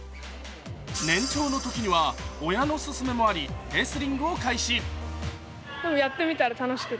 年長のときには親の勧めもあり、レスリングを開始。